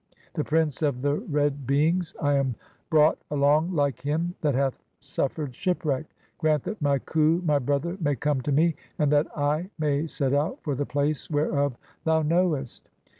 The prince of the red beings. "I am brought along like (9) him that hath suffered shipwreck ; "grant that my Khu, my brother, may come to me, and that "[I] may set out for the place whereof thou (10) knowest."